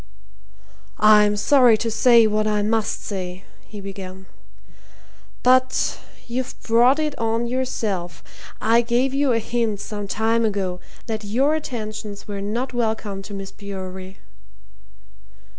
"I'm sorry to say what I must say," he began. "But you've brought it on yourself. I gave you a hint some time ago that your attentions were not welcome to Miss Bewery."